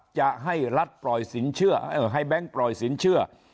จะให้รัฐปล่อยสินเชื่อให้แบงค์ปล่อยสินเชื่อ